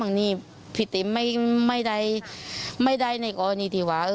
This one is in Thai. นี่พี่ติมไม่ได้ไม่ได้ในกรณีที่ว่า